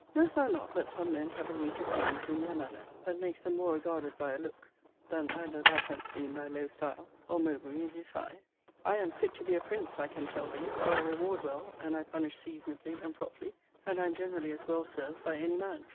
Knowest thou not, that some men have a native dignity in their manner, that makes them more regarded by a look, than either thou canst be in thy low style, or Mowbray in his high? I am fit to be a prince, I can tell thee, for I reward well, and I punish seasonably and properly; and I am generally as well served by any man.